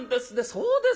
そうですか。